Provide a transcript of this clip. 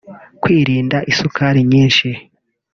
kwirinda isukari nyinshi